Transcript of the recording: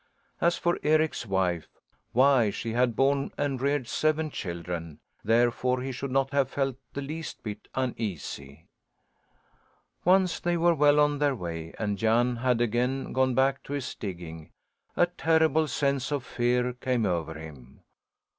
As for Eric's wife why she had borne and reared seven children; therefore he should not have felt the least bit uneasy. Once they were well on their way and Jan had again gone back to his digging, a terrible sense of fear came over him.